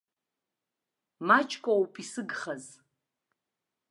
Маҷк оуп исыгхаз.